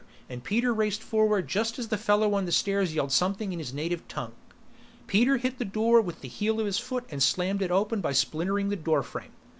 and Peter raced forward just as the fellow on the stairs yelled something in his native tongue. Peter hit the door with the heel of his foot and slammed it open by splintering the doorframe.